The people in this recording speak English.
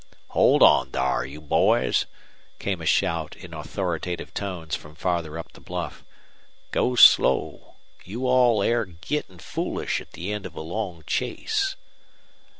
"Hold on thar, you boys," came a shout in authoritative tones from farther up the bluff. "Go slow. You all air gittin' foolish at the end of a long chase."